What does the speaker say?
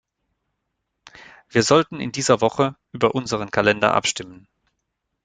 Wir sollten in dieser Woche über unseren Kalender abstimmen.